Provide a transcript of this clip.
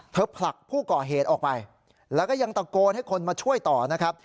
ผลักผู้ก่อเหตุออกไปแล้วก็ยังตะโกนให้คนมาช่วยต่อนะครับ